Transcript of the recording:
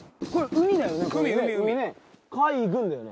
海軍だよね